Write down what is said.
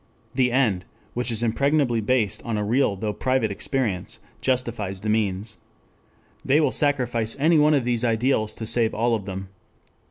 The end, which is impregnably based on a real though private experience justifies the means. They will sacrifice any one of these ideals to save all of them